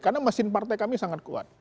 karena mesin partai kami sangat kuat